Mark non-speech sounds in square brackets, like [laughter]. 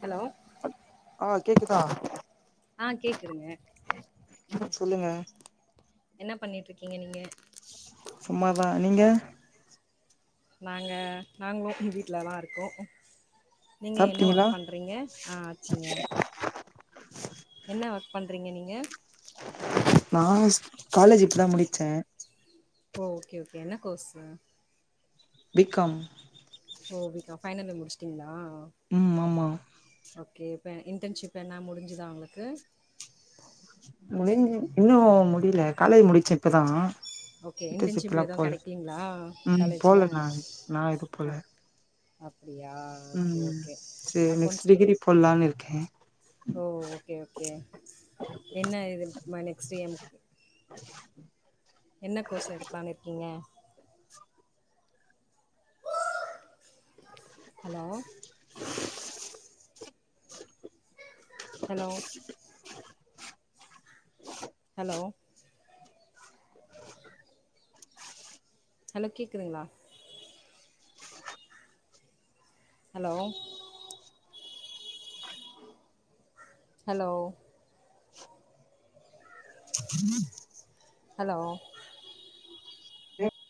hello ஆ கேக்குதா ஆஹ் கேக்குதுங்க சொல்லுங்க என்ன பண்ணிட்டு இருக்கீங்க நீங்க சும்மாதா நீங்க நாங்க நாங்களு வீட்டுலதா இருக்கோ நீங்க என்ன சாப்ட்டீங்களா ஒர்க் பண்றீங்க ஆஹ் ஆச்சுங்க என்ன ஒர்க் பண்றீங்க நீங்க நா ஷ் காலேஜ் இப்பதா முடிச்சே ஓஹ் ஓகே ஓகே என்ன கோர்ஸு பிகாம் ஓஹ் பி காம் ஃபைனல் இயர் முடிச்டிங்களா ம் ஆமா ஓகே இப்ப இன்டன்ஷிப் எதனா முடிஞ்சுதா உங்ளுக்கு முடிஞ்சித் இன்னு முடில காலேஜ் முடிச்சே இப்பதா ஓகே இன்டர்ன்ஷிப் இன்டர்சிப்ல எதுவு போல கெடைக்கலீங்களா உம் காலேஜ்ல போலநானு நா எது போல அ அப்டியா ஓகே ம் ஓகே சேரி நெக்ஸ்ட் அக்கௌண்ட்ஸ் டிகிரி குரூப் போடலான்னு இருக்கே ஓஹ் ஓகே ஓகே என்ன இது ம நெக்ஸ்ட் ஏம் என்ன கோர்ஸ் எடுக்லானு இருக்கீங்க ஹலோ ஹலோ ஹலோ ஹலோ கேக்குதுங்களா ஹலோ ஹலோ [unintelligible] ஹலோ [unintelligible]